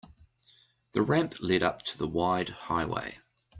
The ramp led up to the wide highway.